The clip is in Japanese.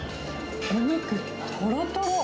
お肉とろとろ！